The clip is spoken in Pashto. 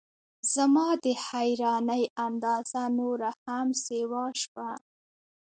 زما د حیرانۍ اندازه نوره هم سیوا شوه.